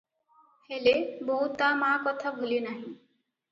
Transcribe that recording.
ହେଲେ, ବୋହୂ ତା ମା କଥା ଭୁଲି ନାହିଁ ।